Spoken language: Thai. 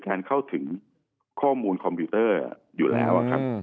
เข้าถึงข้อมูลคอมพิวเตอร์อยู่แล้วครับ